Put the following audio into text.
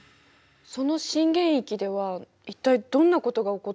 その震源域では一体どんなことが起こってるんだろう？